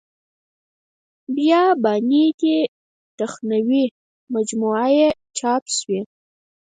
بیاباني دې تخنوي مجموعه یې چاپ شوې.